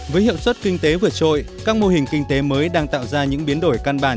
với hiệu suất kinh tế vượt trội các mô hình kinh tế mới đang tạo ra những biến đổi căn bản